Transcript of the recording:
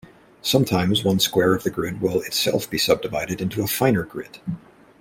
Sometimes one square of the grid will itself be subdivided into a finer grid.